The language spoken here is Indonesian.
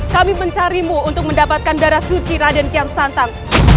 kami mencarimu untuk mendapatkan darah suci raden keansan